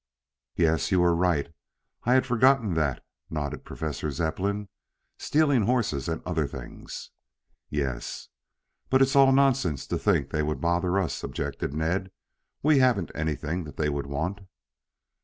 "Yes, you are right. I had forgotten that," nodded Professor Zepplin. "Stealing horses and other things." "Yes." "But it's all nonsense to think they would bother us," objected Ned. "We haven't anything that they would want."